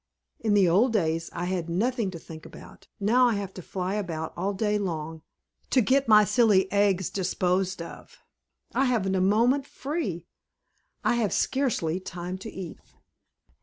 In the old days I had nothing to think about; now I have to fly about all day long to get my silly eggs disposed of. I haven't a moment free. I have scarcely time to eat."